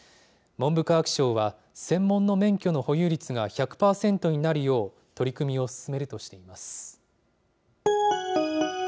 文部科学省は、専門の免許の保有率が１００％になるよう、取り組みを進めるとしています。